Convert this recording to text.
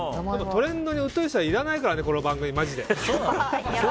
トレンドにうとい人はいらないからねこの番組に、マジで。